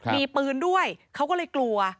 มีปืนด้วยเขาก็เลยกลัว